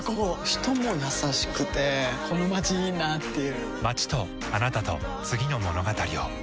人も優しくてこのまちいいなぁっていう